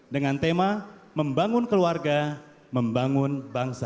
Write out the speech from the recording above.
dengan tema membangun keluarga membangun bangsa